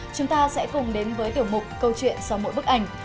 chúng ta sẽ cùng đến với tiểu mục câu chuyện sau mỗi bức ảnh